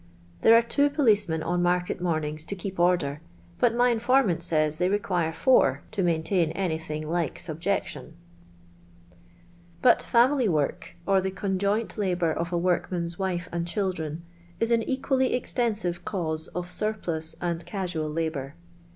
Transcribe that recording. There are two policemen on market mornings to keep order, but my informant says they require four to maintain anything like subjection." But family work, or the conjoint iahour of a workman*g wife and children, is an equally exten aive cause of surplus and casual labour.